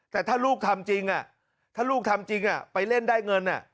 แต่ถ้าลูกทำจริงไปเล่นได้เงิน